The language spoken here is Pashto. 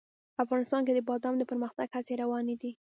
افغانستان کې د بادام د پرمختګ هڅې روانې دي.